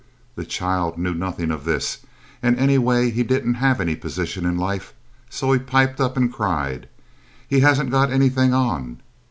The child knew nothing of this and anyway he didn't have any position in life, so he piped up and cried, "He hasn't got anything on."